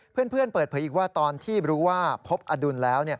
เพื่อนเปิดเผยอีกว่าตอนที่รู้ว่าพบอดุลแล้ว